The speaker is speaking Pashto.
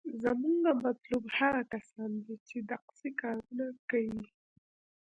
زمونګه مطلوب هغه کسان دي چې دقسې کارونه کيي.